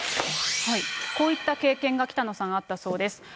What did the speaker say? こういった経験が北野さん、あったそうです。